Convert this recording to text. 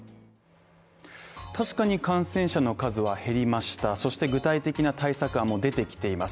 確かに感染者の数は減りましたそして具体的な対策はもう出てきています。